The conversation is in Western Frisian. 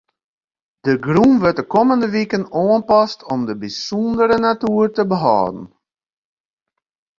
De grûn wurdt de kommende wiken oanpast om de bysûndere natuer te behâlden.